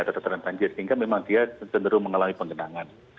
dan dia sehingga memang dia menerima pengenangan